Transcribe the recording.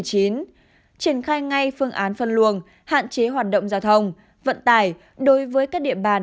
triển khai ngay phương án phân luồng hạn chế hoạt động giao thông vận tải đối với các địa bàn